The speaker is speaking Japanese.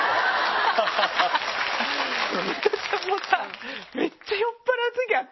ミトちゃんもさめっちゃ酔っ払うときあったよね。